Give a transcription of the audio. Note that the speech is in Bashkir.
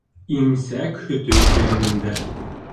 Имсәк һөтө иренендә.